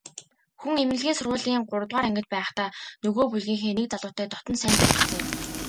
Хүн эмнэлгийн сургуулийн гуравдугаар ангид байхдаа нөгөө бүлгийнхээ нэг залуутай дотно сайн танилцсан юм.